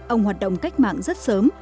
ông hoạt động cách mạng rất sớm